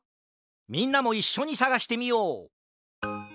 みんなもいっしょにさがしてみよう！